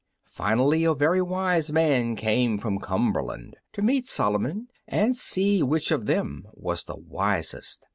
Finally a very wise man came from Cumberland, to meet Solomon and see which of them was the wisest.